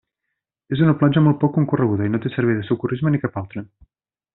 És una platja molt poc concorreguda i no té servei de socorrisme ni cap altre.